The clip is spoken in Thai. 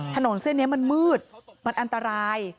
ถนนเส้นนี้มันมืดมันอันตราย